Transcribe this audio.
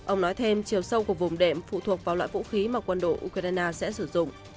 ông nói thêm chiều sâu của vùng đệm phụ thuộc vào loại vũ khí mà quân đội ukraine sẽ sử dụng